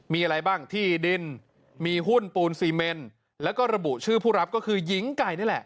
มีอะไรบ้างที่ดินมีหุ้นปูนซีเมนแล้วก็ระบุชื่อผู้รับก็คือหญิงไก่นี่แหละ